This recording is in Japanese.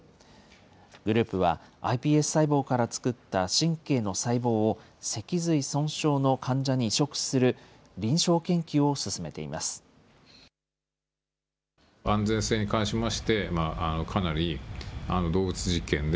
グループは、ｉＰＳ細胞から作った神経の細胞を、脊髄損傷の患者に移植する臨床研究を進めています。